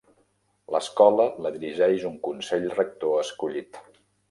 L'escola la dirigeix un consell rector escollit.